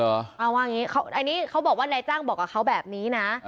เอาว่าอย่างนี้อันนี้เขาบอกว่านายจ้างบอกกับเขาแบบนี้นะ